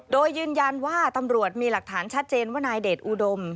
โดยยืนยันว่าตำรวจมีหลักฐานชัดเจนว่านายเดชอุดม